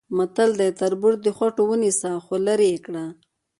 متل دی: تربور د خوټونه ونیسه خولرې یې کړه.